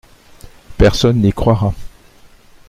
Personne n’y croira.